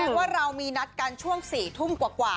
ว่าเรามีนัดกันช่วง๔ทุ่มกว่า